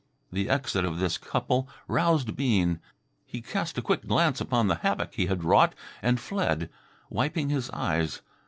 The exit of this couple aroused Bean. He cast a quick glance upon the havoc he had wrought and fled, wiping his eyes.